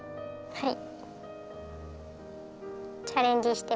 はい。